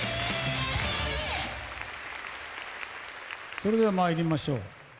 それでは参りましょう。